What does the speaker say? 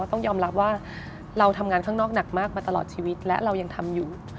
ต้องยอมรับว่าเราทำงานข้างนอกหนักมากมาตลอดชีวิตและเรายังทำอยู่